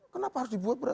kenapa harus dibuat berarti